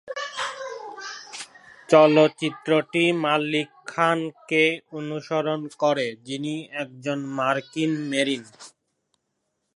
চলচ্চিত্রটি মালিক খানকে অনুসরণ করে, যিনি একজন মার্কিন মেরিন।